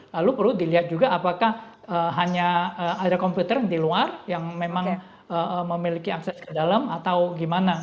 lalu perlu dilihat juga apakah hanya ada komputer di luar yang memang memiliki akses ke dalam atau gimana